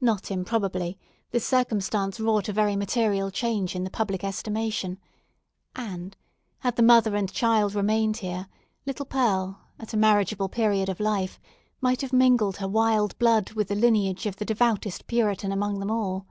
Not improbably this circumstance wrought a very material change in the public estimation; and had the mother and child remained here, little Pearl at a marriageable period of life might have mingled her wild blood with the lineage of the devoutest Puritan among them all.